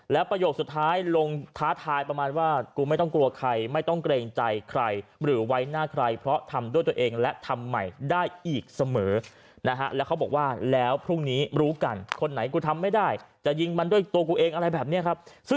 แล้วประโยคสุดท้ายลงท้าทายประมาณว่ากูไม่ต้องกลัวใครไม่ต้องเกรงใจใครหรือไว้หน้าใคร